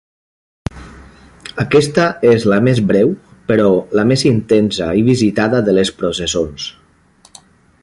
Aquesta és la més breu però la més intensa i visitada de les processons.